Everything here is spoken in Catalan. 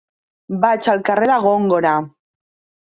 Vaig al carrer de Góngora.